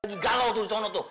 lagi galau tuh disana tuh